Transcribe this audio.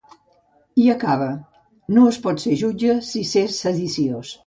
I acaba: ‘No es pot ser jutge si s’és sediciós’.